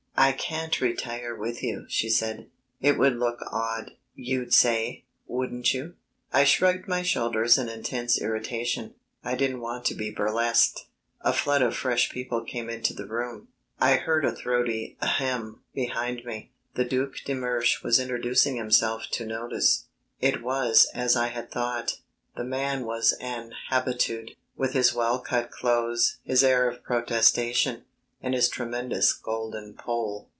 "I can't retire with you," she said; "'it would look odd,' you'd say, wouldn't you?" I shrugged my shoulders in intense irritation. I didn't want to be burlesqued. A flood of fresh people came into the room. I heard a throaty "ahem" behind me. The Duc de Mersch was introducing himself to notice. It was as I had thought the man was an habitue, with his well cut clothes, his air of protestation, and his tremendous golden poll.